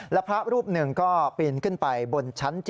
และพระรูปหนึ่งก็ปีนขึ้นไปบนชั้น๗